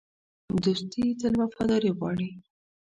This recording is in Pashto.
دوستي تل وفاداري غواړي.